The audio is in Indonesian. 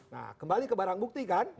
nah kembali ke barang bukti kan